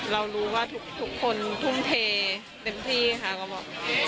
เรารู้ว่าทุกคนทุ่มเทเต็มที่ก็เป็นห่วงด้วย